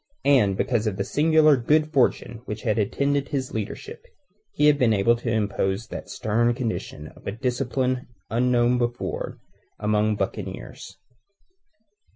And because of the singular good fortune which had attended his leadership, he had been able to impose that stern condition of a discipline unknown before among buccaneers.